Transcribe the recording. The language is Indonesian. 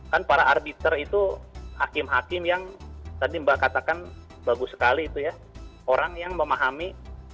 kan para arbiter itu hakim hakim yang tadi mbak katakan bagus sekali itu ya orang yang memahami